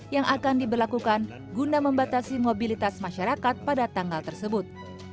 yang akan diberlakukan guna membatasi mobilitas masyarakat pada tanggal tersebut